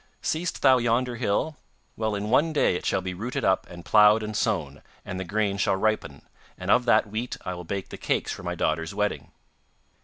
'Seest thou yonder hill? Well, in one day it shall be rooted up and ploughed and sown, and the grain shall ripen, and of that wheat I will bake the cakes for my daughter's wedding.